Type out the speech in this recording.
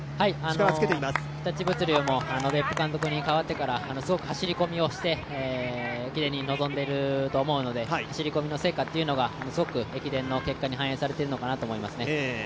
日立物流も別府監督に代わってからすごく走り込みをして駅伝に臨んでいると思うので走り込みの成果がすごく駅伝の結果に反映されているのかと思います。